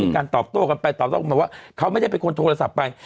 การตอบโต้กันไปตอบโต้กันมาว่าเขาไม่ได้เป็นคนโทรศัพท์ไป